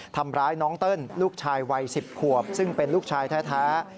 ทำร้ายน้องเติ้ลลูกชายวัย๑๐ขวบซึ่งเป็นลูกชายแท้